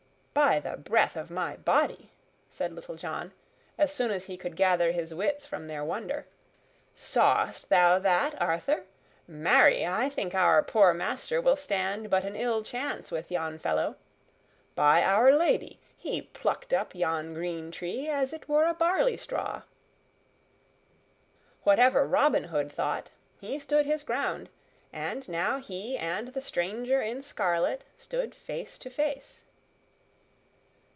"By the breath of my body!" said Little John, as soon as he could gather his wits from their wonder, "sawest thou that, Arthur? Marry, I think our poor master will stand but an ill chance with yon fellow. By Our Lady, he plucked up yon green tree as it were a barley straw." Whatever Robin Hood thought, he stood his ground, and now he and the stranger in scarlet stood face to face.